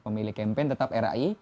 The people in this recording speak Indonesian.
pemilik campaign tetap rai